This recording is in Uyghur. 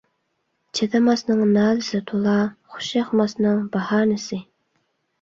چىدىماسنىڭ نالىسى تۇلا، خوش ياقماسنىڭ باھانىسى.